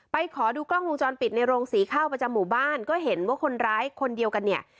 ขอดูกล้องวงจรปิดในโรงสีข้าวประจำหมู่บ้านก็เห็นว่าคนร้ายคนเดียวกันเนี่ย